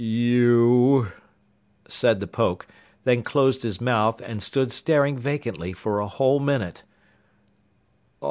"You " said the Poke; then closed his mouth and stood staring vacantly for a whole minute.